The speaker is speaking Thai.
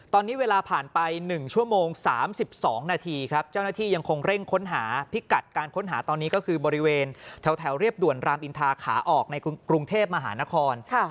ตอนนี้เวลาผ่านไป๑ชั่วโมง๓๒นาทีครับเจ้าหน้าที่ยังคงเร่งค้นหาพิกัดการค้นหาตอนนี้ก็คือบริเวณแถวเรียบด่วนรามอินทาขาออกในกรุงเทพมหานคร